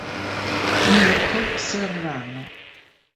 Mirko Serrano